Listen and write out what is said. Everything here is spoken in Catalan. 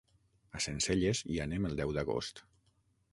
A Sencelles hi anem el deu d'agost.